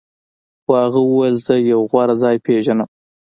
خو هغه وویل زه یو غوره ځای پیژنم